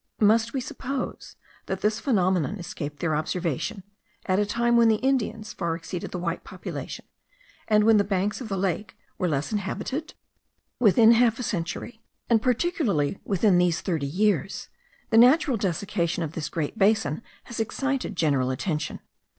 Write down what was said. Must we suppose, that this phenomenon escaped their observation, at a time when the Indians far exceeded the white population, and when the banks of the lake were less inhabited? Within half a century, and particularly within these thirty years, the natural desiccation of this great basin has excited general attention.